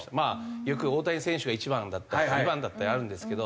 よく大谷選手が１番だったり２番だったりあるんですけど。